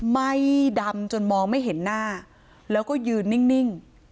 ไหม้ดำจนมองไม่เห็นหน้าแล้วก็ยืนนิ่ง